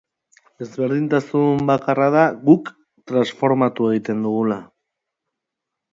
Ezberdintasun bakarra da guk transformatu egiten dugula.